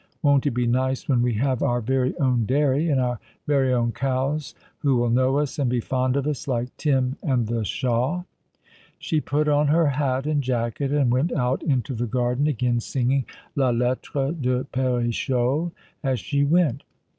Won't it be nice when we have our very own dairy, and our very own cows, who will know us and be fond of us, like Tim and the Shah ?" She put on her hat and jacket, and went out into the 30 All along the River. garden again, sieging " La Lettre de Perichole " as she went.